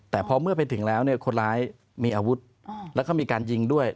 แต่พอเมื่อไปถึงแล้วเนี่ยคนร้ายมีอาวุธแล้วก็มีการยิงด้วย